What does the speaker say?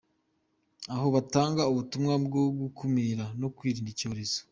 aho batanga ubutumwa bwo gukumira no kwirinda icyorezo